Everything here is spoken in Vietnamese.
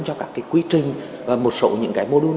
cho các cái quy trình và một số những cái mô đun